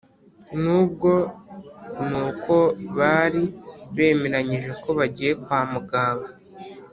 na bwo ni uko bari bemeranyije ko bagiye kwa muganga